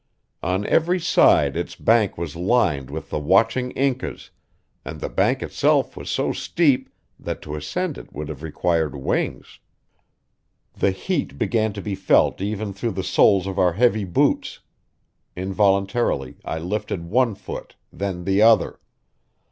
On every side its bank was lined with the watching Incas, and the bank itself was so steep that to ascend it would have required wings. The heat began to be felt even through the soles of our heavy boots; involuntarily I lifted one foot, then the other.